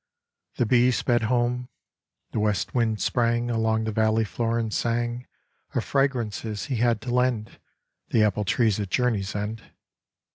The bee sped home. The west wind sprang Along the valley floor and sang Of fragrances he had to lend The apple trees at Journey's End.